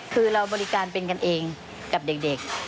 คือเราบริการเป็นกันเองกับเด็ก